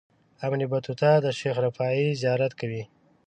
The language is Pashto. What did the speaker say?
ابن بطوطه د شیخ رفاعي زیارت کوي.